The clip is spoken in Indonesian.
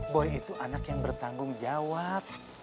boy itu anak yang bertanggung jawab